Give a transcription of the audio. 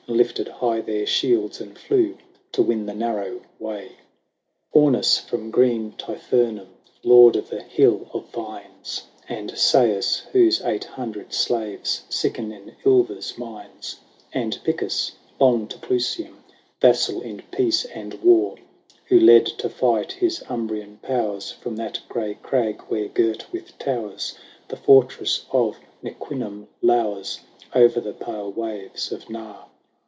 And lifted high their shields, and flew To win the narrow way ; HORATIUS. 63 XXXVII. Aunus from green Tifernum, Lord of the Hill of Vines ; And Seius, whose eight hundred slaves Sicken in Ilva's mines ; And Picus, long to Clusium Vassal in peace and war, Who led to fight his Umbrian powers From that grey crag where, girt with towers, The fortress of Nequinum lowers O'er the pale waves of Nar.